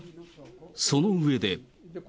その上で。